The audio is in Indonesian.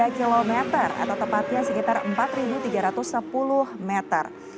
tiga km atau tepatnya sekitar empat tiga ratus sepuluh meter